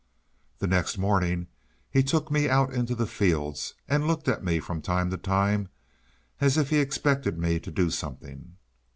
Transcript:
The next morning he took me out into the fields, and looked at me from time to time, as if he expected me to do something.